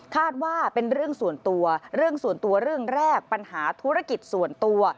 คาดว่าเป็นเรื่องส่วนตัวเรื่องส่วนตัวเรื่องแรกปัญหาธุรกิจส่วนตัว